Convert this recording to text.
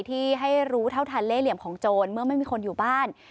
ที่ให้รู้เท่าทันเล่เหลี่ยมของโจรเมื่อไม่มีคนอยู่บ้าน